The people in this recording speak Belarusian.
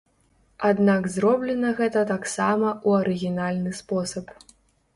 Аднак зроблена гэта таксама ў арыгінальны спосаб.